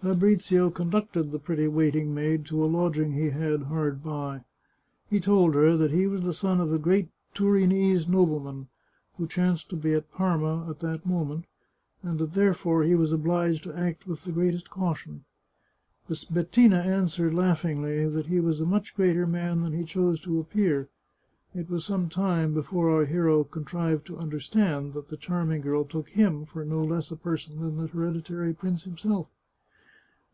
Fabrizio conducted the pretty waiting maid to a lodging he had hard by. He told her that he was the son of a great Turinese nobleman who chanced to be at Parma at that moment, and that therefore he was obliged to act with the greatest caution. Bettina answered laughingly that he was a much greater man than he chose to appear. It was some time before our hero contrived to understand that the charming girl took him for no less a person than the hereditary prince himself.